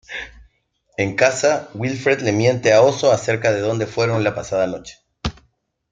En casa, Wilfred le miente a Oso acerca de donde fueron la pasada noche.